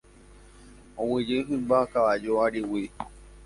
Oguejy hymba kavaju árigui.